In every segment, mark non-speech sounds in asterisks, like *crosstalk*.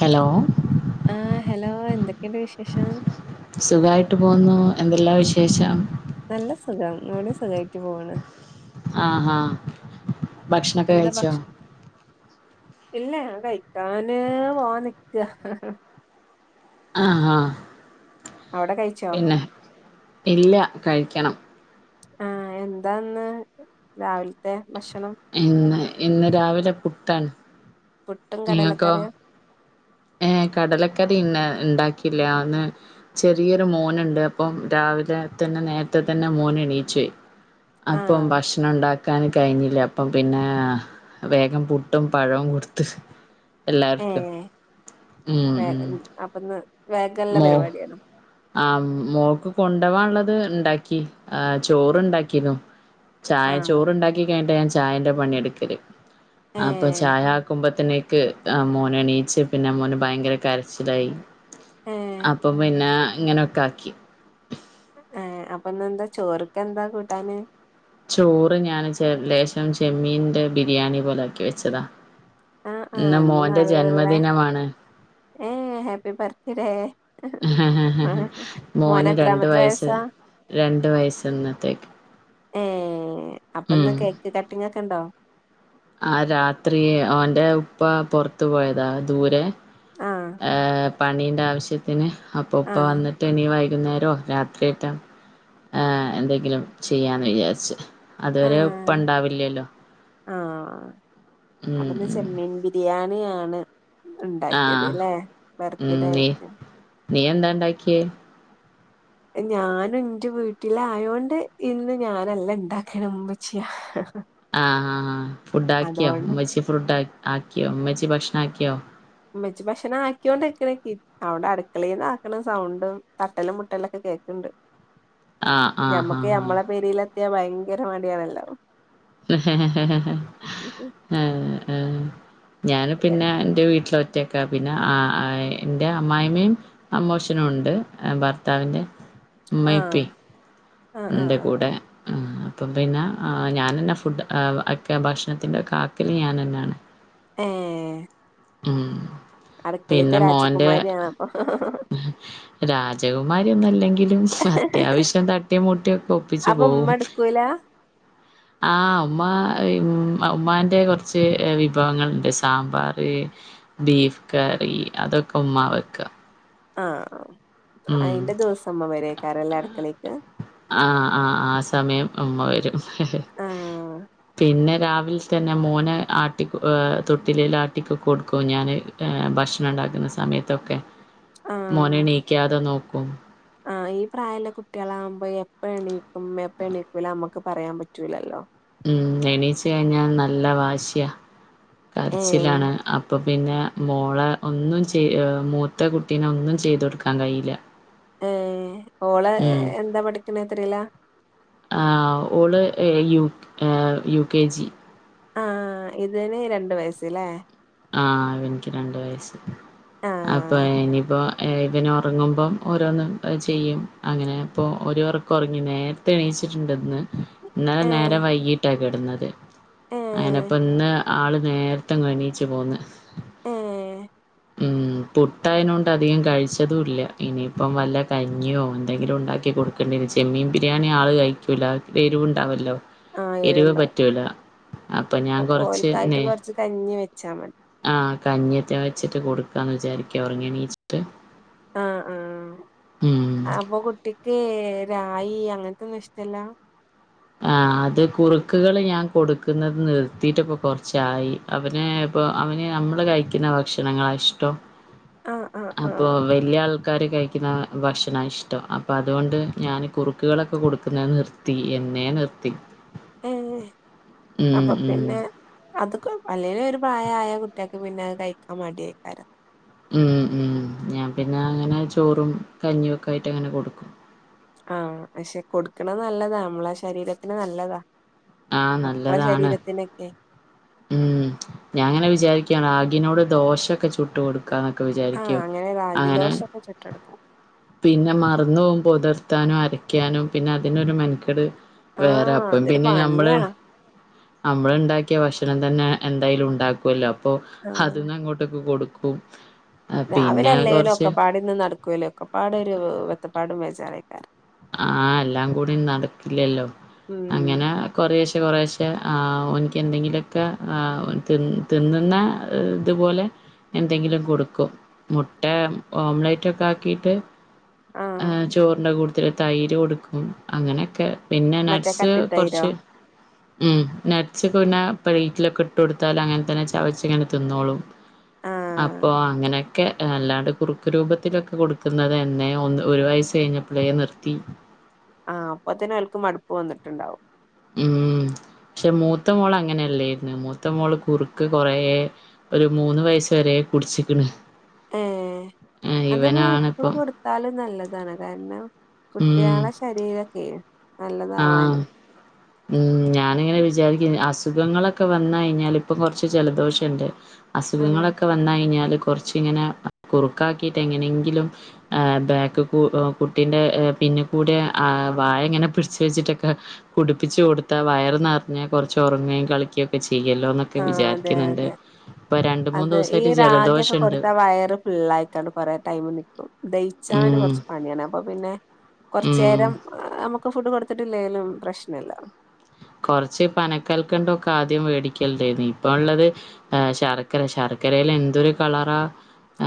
Hello ആഹ് hello എന്തൊക്കെയുണ്ട് വിശേഷം. സുഖായിട്ട് പോകുന്നു എന്തെല്ലാം വിശേഷം. നല്ല സുഖം ഇവടി സുഖമായിട്ട് പോകണ് ആഹ് ആഹ് ഭക്ഷണ ഒക്കെ എന്താ കഴിച്ചോ ഭക്ഷ ഇല്ല ഞാൻ കഴിക്കാന് പോവാൻ നിക്ക ആഹാ അവിടെ കഴിച്ച പിന്നെ ഇല്ല കഴിക്കണം ആഹ് എന്താ ഇന്ന് രാവിലത്തെ ഭക്ഷണം. ഇന്ന് ഇന്ന് രാവിലെ പുട്ടാണ്. പുട്ടും, കടലക്കറിയാ ഏഹ് കടലക്കറി ഇന്ന് ഇണ്ടാക്കില്ല ഇന്ന് ചെറിയൊരു മോനുണ്ട് അപ്പം രാവിലെ തന്നെ നേരത്തെ തന്നെ മോൻ എണീച്ചു വരും അപ്പം ആഹ് ഭക്ഷ ഭക്ഷണം ഒണ്ടാക്കൻ കഴിഞ്ഞില്ല അപ്പം പിന്നെ വേഗം പുട്ടും പഴവും കൊടുത്ത് എല്ലാർക്കും ഏഹ് വേ അപ്പൊന്ന് വേഗല്ല മോ പരിപാടിയാണ്. ആ മോക്ക് കൊണ്ടവാള്ളത് ഇണ്ടാക്കി ആ ചോറുണ്ടാക്കിരുന്നു. ചായ ആഹ് ചോറുണ്ടാക്കി കഴിഞ്ഞിട്ടാ ഞാൻ ചായന്റെ പണി എടുക്കല് അപ്പൊ ഏഹ് ചായ ആക്കുമ്പോ ത്തിനേക്ക് മോനെ എണീയിച്ച് പിന്നെ മോന് ഭയങ്കര കരച്ചിലായി. ഏഹ് അപ്പൊ പിന്നെ ഇങ്ങനെക്കെ ആക്കി. ആ അപ്പൊന്ന് എന്താ ചോറക്കെന്താ കൂട്ടാന്? ചോറ് ഞാൻ ലേശം ചെമ്മീന്റെ ബിരിയാണി പോലെ ആക്കി വെച്ചതാ. ആഹ് ആഹ് ഇന്ന് മോന്റെ നല്ല ജന്മദിനമാണ് ഏഹ് ഹാപ്പി ബർത്ത്ഡെ. മോന് രണ്ട് എത്രാമത്തെ വയസ്സ് വയസ്സാ? രണ്ട് വയസ്സ് ഇന്നത്തേക്ക്. ഏഹ് അപ്പൊന്ന് ഉം കേക്ക് കട്ടിംഗ് ഒക്കെ ഉണ്ടോ? ആഹ് രാത്രി അവന്റെ ഉപ്പ പുറത്തു പോയതാ ദൂരെ. ആഹ് ഏഹ് പണീന്റെ ആവശ്യത്തിന് അപ്പൊ ഉപ്പ ആഹ് വന്നി ട്ട് ഇനി വൈകുന്നേരോക്കെ ആക്കീട്ട് ആ എന്തെങ്കിലും ചെയ്യാന്ന് വിചാരിച്ച് അതുവരെ ആഹ് ഉപ്പണ്ടാവില്ലല്ലോ ആഹ് ഉം അപ്പന്ന് ഉം ചെമ്മീൻ ബിരിയാണി ആണ്. ഇണ്ടാക്കിയത് ആഹ് ല്ലേ ഉം ബർത്ത് ഡേ നീ ആയിറ്റ്. നീ എന്താ ഇണ്ടാക്കിയേ? ഞാന് ഇന്റെ വീട്ടില ആയോണ്ട് ഇന്ന് ഞാനല്ല ഇണ്ടാക്കണ ഇമ്മച്ചിയാ ആഹ് ആഹ് ആഹ് ഫുഡ് ആക്കിയോ ഉമ്മച്ചി ഫ്രൂഡ് ആക്കിയോ ഉമ്മച്ചി ഭക്ഷണം ആക്കിയോ? ഉമ്മച്ചി ഭക്ഷണം ആക്കിയൊണ്ട് *unintelligible* അവിടെ അടുക്കളയിന്ന ആക്കണ സൗണ്ടും തട്ടലും മുട്ടലൊക്കെ കേക്ക്ണ്ട്. ആഹ് ആഹ് ഞമ്മക്ക് ആഹ് ഞമ്മളെ പേരേലെത്തിയാ ഭയങ്കര മടിയാണല്ലോ. ഞാന് പിന്നെ ഇന്റെ വീട്ടില് ഒ റ്റക്കാ പിന്നെ ആ ഇന്റെ അമ്മായി അമ്മേം അമോഷനുണ്ട് ഭർത്താവിൻ്റെ ഉമ്മേം ആഹ് ഉപ്പേം ആഹ് ആഹ് ഇന്റെ ആഹ് കൂടെ. അപ്പം പിന്നെ ഞാനന്നെ ഫുഡ് ഒക്കെ ഭക്ഷണത്തിൻ്റെ കാക്കല് ഞാനന്നെണ്. ഏഹ് ഉം അടുക്കളത്തെ പിന്നെ മോൻ്റെ രാജകുമാരിയാണൊ അപ്പൊ. രാജകുമാരി ഒന്നല്ലെങ്കിലും അത്യാവശ്യം ത അപ്പൊ ഉമ്മെടുക്കുല. ആ ഉമ്മ ഉമ്മാന്റെ കുറച്ച് വിഭവങ്ങളുണ്ട് സാമ്പാറ് ബീഫ് കറി അതൊക്കെ ഉമ്മാ വെക്കാ ആഹ് അയ്ന്റെ ദിവസമ്മ വെരേക്കാരല്ലെ അട്ക്കളേക്ക് ആഹ് ആഹ് ആ സമയം ഉമ്മ വരും ആഹ് പിന്നെ രാവിൽ തന്നെ മോനെ ആട്ടി തൊട്ടിലിലാട്ടിക്കെ കൊട്ക്കും ഞാന് ഭക്ഷണം ഇണ്ടാക്ക്ന്ന സമയത്ത് ക്കെ മോനെണീക്കാതെ നോക്കും ആ ഈ പ്രായല്ലെ കുട്ടിയാളാകുമ്പോ എപ്പ എണീക്കും എപ്പ എണീക്കൂല നമ്മക്ക് പറയാൻ പറ്റൂലല്ലോ ഉം എണീച്ച് കഴിഞ്ഞാ നല്ല വാശിയ ഏഹ് കര്ച്ചിലാണ് പ്പൊ പിന്നെ മോളെ ഒന്നും ചെയ് മൂത്ത കുട്ടീനെ ഒന്നും ചെയ്തൊട്ക്കാൻ കയ്യില്ല ഏഹ ഓളെ എന്താ പഠിക്ക്ണെ എത്രീല ആഹ ഓള് യു യു കെ ജി ആഹ ഇതിന് രണ്ട് വയസ്സ് ല്ലേ ആഹ ഇവനിക്ക് രണ്ട് വയസ്സ് അപ്പൊ ആഹ് ഇനിപ്പോ ഇവനൊറങ്ങുമ്പം ഓരോന്ന് ചെയ്യും അങ്ങനെപ്പൊ ഓരൊർക്കൊർങ്ങി നേ ത്തെണീച്ചിട്ട്ണ്ട്ന്ന് ന്നലെ ഏഹ് നേരം വൈകിട്ടാ കെടന്നത് ഏഹ് അങ്ങനപ്പന്ന് ആള് നേരത്തങ് എണീച്ച് ട്ട് പോന്ന് ഏഹ ഉം പുട്ടായ്നതൊണ്ടധികം കഴിച്ചതും ല്ല ഇനിയിപ്പം വല്ല കഞ്ഞിയോ എന്തെങ്കിലും ണ്ടാക്കി കൊട് ക്കണ്ടേരും ചെമ്മീമ്പിരിയാണി ആള് കഴിക്കൂല എരിവുണ്ടാവല്ലോ ആഹ് എരിവ് എരുണ്ടാവും പറ്റൂല അപ്പൊ ഞാൻ കൊറച്ച് ഓൽക്കായിട്ട് നെ കൊറച്ച് കഞ്ഞി വെച്ചാ മതി ആഹ കഞ്ഞിയെറ്റെ വെച്ചിട്ട് കൊടുക്കാന്ന് വിചാരിക്ക ഒർങ്ങിയെണീച്ചിട്ട് ആഹ് ആഹ് ഉം അപ്പൊ കുട്ടിക്ക് രായി അങ്ങനത്തെന്നുഷ്ടല്ല ആഹ അത് കുറുക്കുകള് ഞാൻ കൊടുക്കുന്നത് നിർത്തിട്ടിപ്പൊ കൊർച്ചായി അവന് പ്പൊ അവന് നമ്മള് കഴിക്കുന്ന ഭക്ഷണങ്ങളാ ഇഷ്ടം ആഹ് ആഹ് അപ്പൊ ആഹ് വല്ല്യാൾക്കാര് കഴി ക്ക്ന്ന ഭക്ഷണ ഇഷ്ടം അപ്പത്കൊണ്ട് ഞാൻ കുറുക്കുകളൊക്കെ കൊടുക്കുന്നത് നിർത്തി എ ന്നേ നിർത്തി ഏഹ ഉം അപ്പൊ ഉം പിന്നെ അതൊക്കെ അല്ലേലു ഒരു പ്രായായ കുട്ടിയാക്ക് പിന്നത് കഴിക്കാ മടിയേക്കാരം ഉം ഉം ഞാൻ പിന്നെ അങ്ങനെ ചോറും കഞ്ഞിയൊക്കായിട്ടങ്ങനെ കൊടുക്കും ആഹ ക്ഷെ കൊടുക്ക്ണ നല്ലതാ മ്മളെ ശരീരത്തിന് നല്ലതാ ആഹ് മക്കളെ നല്ലതാണ് ശരീരത്തിനൊക്കെ ഉം ഞാൻ ങ്ങനെ വിചാരിക്ക റാഗിനോട് ദോശൊക്കെ ചുട്ട് കൊടു ക്കാന്നൊക്കെ ആഹ് വിചാരിക്കും അങ്ങനെ അങ്ങനെ രാഗിദോശൊക്കെ ചുട്ടെടുക്കാം പിന്നെ മറന്ന് പോകും പൊതിർത്താനും അരക്കാനും പിന്നതിനൊരു മെൻക്കെട് വേറെ ആഹ് അപ്പം അതൊരു പിന്നെ ഞമ്മള് പണിയാ അമ്മള്ണ്ടാക്കിയ ഭക്ഷ ക്ഷണം തന്നെ എന്തയ്ലും ണ്ടാക്കോല്ലോ അപ്പോ അത് ആഹ് ന്നങ്ങോട്ടൊക്കെ കൊടുക്കും ആഹ് പിന്നെ രാവിലല്ലേലും കൊറച്ച് ഒക്കെപ്പാടെന്നും നടക്കൂല ഒക്കെപ്പാടെരു വത്തപ്പാടും വേജാറേക്കാരം ആഹ എല്ലാം കൂടി നടക്കില്ലല്ലോ ഉം അങ്ങനെ കൊറേശ്ശെ കൊറേശ്ശെ ആഹ ഓൻക്കെന്തെങ്കിലൊക്കെ ആഹ തി തിന്നുന്ന ത്പോലെ എന്തെങ്കിലും കൊടുക്കും മുട്ട ഓംമ്ലറ്റൊക്കാക്കിട്ട് ആഹ് ആഹ ചോറിന്റെ കൂട്ത്തില് തൈര് കൊടുക്കും അങ്ങനൊക്കെ പിന്നെ മറ്റേ നട്ട്സ് കട്ടിത്തൈരോ കൊർച്ച് ഉം നട്സൊക്ക പിന്നെ പ്ലേറ്റിലൊക്കെ ഇട്ടൊട്ത്താലങ്ങൻ തന്നെ ചവച്ച്ങ്ങനെ തിന്നോളും ആഹ് അപ്പോ അങ്ങനെക്കെ അല്ലാണ്ട് കുറുക്ക് രൂപത്തിലൊക്കെ കൊടുക്കുന്നതെന്നെ ഒന്ന് ഒരു വയസ്സ് കഴിഞ്ഞ ളേ നിർത്തി ആഹ അപ്പത്തന്നെ അയാൾക്ക് മടുപ്പ് വന്നിട്ടുണ്ടാവും ഊമ് പക്ഷെ മൂത്ത മോള ങ്ങനെയല്ലേരുന്നു മു ത്ത മോള് കുറുക്ക് കുറേ ഒരു മൂന്ന് വയസ് വരെ കുടിച്ചിക്ക്ണ് ഏഹ് അത് മ്മള് ഇപ്പളും ഇവനാണിപ്പം കൊടു ത്താലും നല്ലതാണ്. കാരണം ഉം കുട്ട്യാളെ ശരീരൊക്കെ ആ നല്ലതാവാന് ഉം ഞാനിങ്ങനെ വിചാരിക്കും അസുഖങ്ങളൊക്കെ വന്ന ഴിഞ്ഞാൽ ഇപ്പൊ കുറച്ച് ജലദോഷണ്ട് ആഹ് അസുഖങ്ങളൊക്കെ വന്നയി ഞ്ഞാല് കുറച്ച് ങ്ങനെ കുറുക്കാക്കീട്ടെങ്ങനെങ്കിലും ആ ബാക്ക് കു കുട്ടീന്റെ ഏ പിന്നികൂടെ ആ വായ ങ്ങനെ പൊള് ച് ച്ച് വെച്ചിട്ടൊക്കെ ഹ് കുടിപ്പിച്ച് കൊടുത്താ വയർ നിറഞ്ഞകുറച്ച് ഉറങ്ങേ കളിക്കു ക്കെ ചെയ്യല്ലോ ആഹ് അതെ അതെ അത ഈ ദിവസായിട്ട് റാഗ്യൊക്കെ ജലദോഷണ്ട്. കൊടുത്താ വയറ് ഫുള്ളായിട്ടാണ്ട് കൊറേ ടൈം നിക്കും. ദഹിച്ചാന് ഉം. കൊറച്ച് പണിയാണ് അപ്പൊ പിന്നെ ഉം. കുറച്ചേരം നമുക്ക് ഫുഡ് കൊടുത്തിട്ടില്ലേലും പ്രശ്നല്ല കുറച്ച് പനക്കൽക്കണ്ടം ഒക്കെ ആദ്യം മേടിക്കൽണ്ടായിരുന്നി ഇപ്പ ള്ളത് ആ ശർക്കര ശർക്കരയില് എന്തൊരു കളറ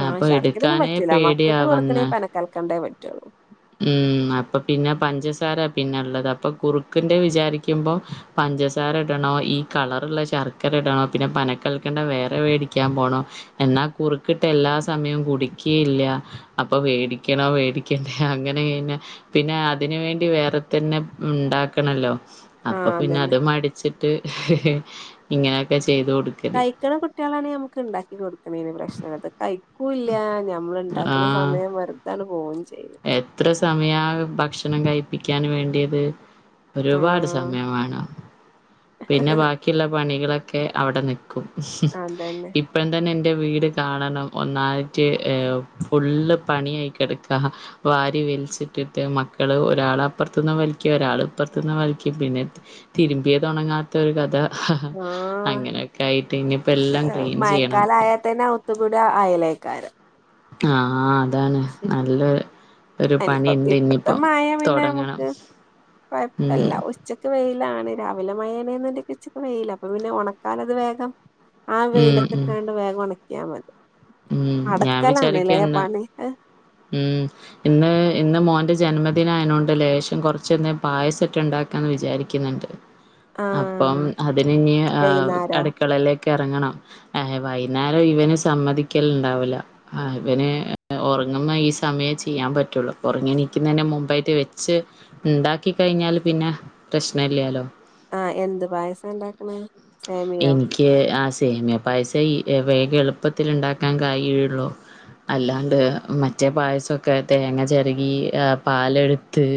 ആഹ് ശർക്കരൊയൊന്നും പറ്റൂല്ല മക്കക്ക് കൊടുക്കണേ പേടിയാവുന്ന് പനക്കൽക്കണ്ടേ പറ്റുള്ളൂ ഉം അപ്പൊ പിന്നെ പഞ്ചസാര പിന്നെള്ളത് അപ്പൊ കുറുക്കിന്റെ വിചാരിക്ക ക്കുമ്പോ പഞ്ചസാര ഇടണോ ഈ കളറുള്ള ശർക്കര ടണോ പിന്നെ പനക്കൽക്കണ്ടം വേറെ മേടി ക്കാൻ പോണോ എന്നാ കുറുക്കിട്ട എല്ലാ സമയവും കുടിക്കേയില്ല അപ്പൊ വേടിക്കണോ വേടി ക്കണ്ടേ അങ്ങനെകഴിഞ്ഞ പിന്നെ അതിന് വേണ്ടി വേറെ തന്നെ ഇണ്ടാക്കണല്ലോ അപ്പൊ ആഹ് പിന്നെ അത് അതന്നെ മടിച്ചിട്ട് ഇങ്ങനെയൊക്കെ ചെയ്ത് കൊടുക്കല് ക്കണ കുട്ട്യാളണെങ്കി നമുക്ക് ണ്ടാക്കി കൊടുക്കുന്നതിന് പ്രശ്നല്ല ത് കഴിക്കൂല്ല ഞമ്മൾ ആ. ഉണ്ടാക്ക്ണ സമയം വെറുതാണ് പോവും ചെയ്യും എത്ര സമയാ ഭക്ഷണം കഴിപ്പിക്കാൻ വേണ്ടിയത് ഒരുവാട് സമയം ആഹ് വാണം പിന്നെ ബാക്കിള്ള പണികളൊക്കെ അവിടെ നി ക്കും ഇ അതന്നെ ഇപ്പോഴം തന്നെ ൻ്റെ വീട് കാണണം ഒന്നായിട്ട്ഏ ഫുള് പണിയായി കെടക്ക വാരി വലിച്ചിട്ടിട്ട് മക്കള് ഒരാള് അപ്പുറത്തുന്ന് വലിക്കും ഒരാൾ ഇപ്പുറത്തന്ന് വലിക്കും പിന്നെ തിരുമ്പിയതൊണങ്ങാത്ത ഒരു കഥ ആഹ് അങ്ങനെയൊക്കായിട്ട് ഇനിപ്പ എല്ലം ക്ലീൻ ചെയ്യണം ത്തുകൂടിയാ അയലേക്കാരം ആആ അതാണ് നല്ലൊര് അനിപ്പ ഇപ്പത്തെ മയ പിന്നെ തൊടങ്ങണം നമുക്ക് ഉം കൊഴപ്പല്ല ഒഷ് ഉച്ചക്ക് വെയീലാണ് രാവിലെ മയാണ്ന്ന്ണ്ടങ്ക്ച്ചക്ക് വെയില അപ്പൊ പിന്നെ ഉണക്കാനത് വേഗം ആ ഉം ഉം വെയിലത്തിട്ടാണ്ട് വേഗം ഉണക്കിയാ മതി ഉം അടുക്കലാണ്ല്ലേ പണി അഹ് ഊമ് ഹ് ഇന്ന് ഇന്ന് മോൻ്റെ ജന്മദിനാ യനോണ്ട് ലേശം കുറച്ച് ന്നേ പായസറ്റെ ണ്ടാക്കാ ന്ന് വിചാരിക്കുന്നുണ്ട് *inaudible* അപ്പം അതിനിനി ആ വൈന്നേരോ അടുക്കളയിലേക്ക് ഇറങ്ങണം. ഏ വൈന്നേരം ഇവന് സമ്മതിക്കലുണ്ടാവൂല്ല ആഹ് ഇവന് ഉറങ്ങുന്ന ഈ സമയം ചെയ്യാ പറ്റുള്ളു. ഉറങ്ങിണീക്കുന്നെ മുമ്പായിട്ട് വെച്ച് ഇണ്ടാക്കി കഴിഞ്ഞാല് പിന്നെ പ്രശ്ന ല്ലാലോ ആ എന്ത് പായസ ണ്ടാക്കണേ എനിക്ക് ആ സേമിയ പായസ ഇ വേഗ എളുപ്പത്തില് ണ്ടാക്കാൻ കഴിയുള്ളു അല്ലാണ്ട് മറ്റേ പായസൊക്കെ തേങ്ങ ചെരകീ... പാലെടുത്ത്...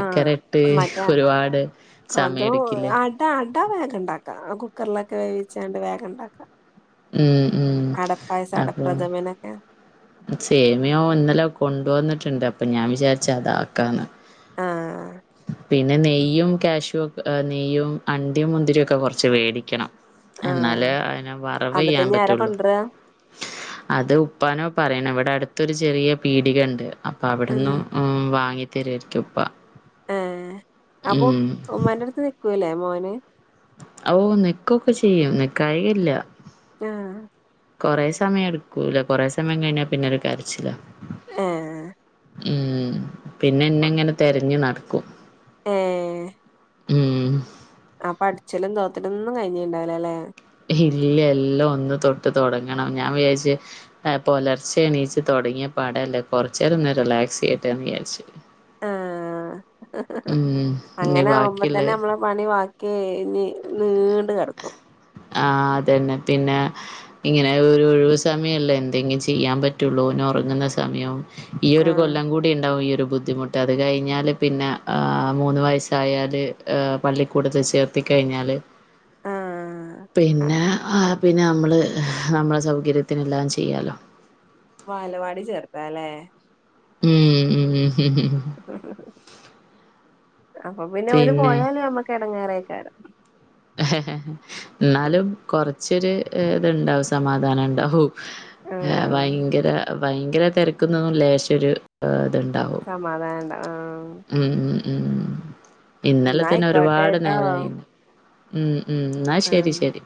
ആഹ് ട്ട് മറ്റേ ഒരുവാട് സമയെ അതും ടുക്കില്ലേ അട അട വേഗണ്ടാക്കാം. ആഹ് കുക്കറിലൊക്കെ വേവിച്ചാണ്ട് വേഗണ്ടാക്കാം. ഉം ഉം അടപ്പായസം അടപ്രഥമനൊക്കെ സേമിയം ഇന്നലെ കൊണ്ടുവന്നിട്ടുണ്ട്. അപ്പൊ ഞാ വിചാരിച്ച് അതാക്കാന്ന്. ആഹ് പിന്നെ നെയ്യും കാഷ്യു ക്കെ ആഹ് നെയ്യും അണ്ടിം മുന്തിരിം ഒക്കെ കൊറച്ച് വേടിക്കണം. ആഹ് എന്നാലേ അയിന് വറവ് അതൊക്കെ യ്യാൻ ഇനി ആരാ പറ്റുള്ളു. കൊണ്ടരാ അത് ഉപ്പാനോ പറയണം. ഇവിടെ അടുത്തൊരു ചെറിയ പീടികണ്ട്. അപ്പൊ അവിടന്ന ആഹ് ഉം വാങ്ങി തരോരിക്കുംപ്പാ. ഏഹ് അപ്പൊ ഉമ്മന്റെടുത്ത് നിക്കൂലേ മോന്. ഓഹ് നിക്കൊക്കെ ചെയ്യും. നിക്കായല്ല. ആഹ് കൊറെേ സമയയെടുക്കൂല. കുറേ സമയം കഴിഞ്ഞാപിന്നെ ഒരു കരച്ചിലാ. ആഹ് ഉം പിന്നെന്നെ ങ്ങനെ തെരഞ്ഞു നടക്കും. ഏഹ്. ഉം അപ്പൊ അടിച്ചലും തോത്തലന്നും കഴിഞ്ഞിണ്ടാവില്ലല്ലെ? ഏയ് ഇല്യ. എല്ലും ഒന്ന് തൊട്ട് തൊടങ്ങണം. ഞാ വിയാരിച്ച് ഏഹ് പുലർച്ചെ എണീച്ച് തൊടങ്ങിയ പടല്ലേ. കൊറചേനേരോന്ന് റിലാക്സ് ചെയ്യട്ടെന്ന് വിചാരിച്ചു. ആഹ് ഉം നി അങ്ങനെ ആവുമ്പോ ബാക്കിള്ളെ തന്നെ നമ്മളെ പണി വാക്കി ഇഴഞ്ഞ് നീണ്ട് കെടക്കും. ആഹ് അതന്നെ. പിന്നെ ഇങ്ങനെ ഒരു ഒഴിവ് സമയമല്ലേ എന്തെങ്കിലും ചെയ്യാൻ പറ്റുള്ളൂ. ഓൻ ഒറങ്ങുന്ന സമയം. ഈ യൊരു ആഹ് കൊല്ലം കൂടി ഇണ്ടാവും ഈ യൊരു ബുദ്ധിമു. ട്ട്. അത് കഴിഞ്ഞാല് പിന്നെ ആഹ് മൂന്ന് വയസ്സായാല് ആഹ് പള്ളിക്കൂടത്തിൽ ചേർത്തി കഴിഞ്ഞാല് ആഹ് അ പിന്നെ അഹ് പിന്നെ നമ്മള് നമ്മളെ സൗകര്യത്തിനെല്ലാം ചെയ്യാലോ. വാലവാടി ചേർതാ ല്ലേ? ഉം ഉം ഉം ഉം ഉം അപ്പൊ പിന്നെ ഓര് പോയാല് നമ്മക്ക് എടങ്ങാറേക്കാരം. ഹ ഹ ഹ എന്നാലും കൊറചൊരു ഇത്ണ്ടാവും. സമാധാനം ണ്ടാവു. ആഹ് ഭയങ്കര ഭയങ്കര തിരക്കുന്നൊന്നും ലേശോരു ഏഹ് ത്ണ്ടാവും. സമാധാനണ്ടാ ആഹ് ഉം ഉം ഉം ഇന്നലെ തന്നെ എന്നായിക്കോട്ടെ ഒരുപാട് ട്ടോ നേരായിന്. ഉം ഉം ന്നാ ശെരി ആഹ് ശെരി.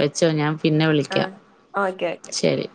വെച്ചോ ഞാൻ പിന്നെ വിളിക്കാം. ആഹ് ഓക്കെ ശെരി.